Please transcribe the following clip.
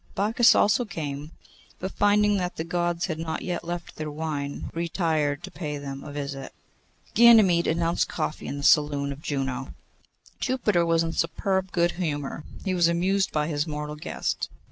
Bacchus also came, but finding that the Gods had not yet left their wine, retired to pay them a visit. Ganymede announced coffee in the saloon of Juno. Jupiter was in superb good humour. He was amused by his mortal guest.